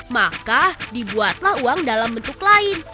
maka dibuatlah uang dalam bentuk lain